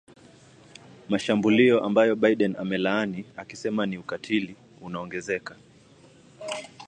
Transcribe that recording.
mashambulio ambayo Biden amelaani akisema ni ukatili unaoongezeka